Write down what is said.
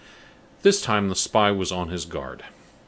This time the spy was on his guard.